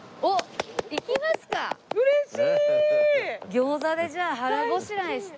餃子でじゃあ腹ごしらえして。